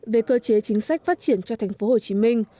về cơ chế chính sách phát triển cho thành phố hồ chí minh